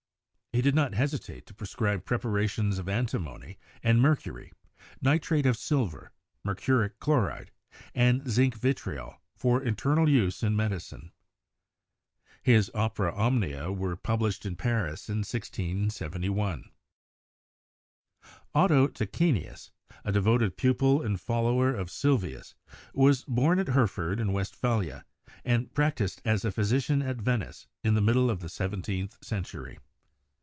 He did not hesitate to prescribe preparations of antimony and mercury, nitrate of silver, mercuric chloride, and zinc vitriol for internal use in medicine. His "Opera omnia" were published in Paris in 1671. Otto Tachenius, a devoted pupil and follower of Sylvius, was born at Herford in Westphalia and practised as a physician at Venice in the middle of the seventeenth cen tury.